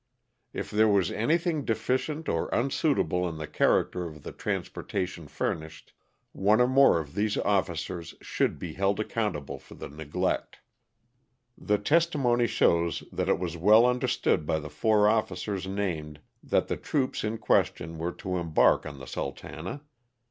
If there was anything deficient or unsuitable in the character of the trans portation furnished, one or more of these officers should be held accountable for the neglect. The testimony shows that it was well understood by the four officers named that the troops in question were to embark on the "Sultana."